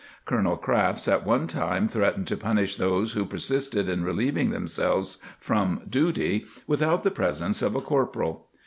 * Colonel Crafts at one time threat ened to punish those who persisted in relieving themselves from duty without the presence of a corporal.